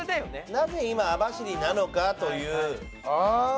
なぜ今網走なのかという。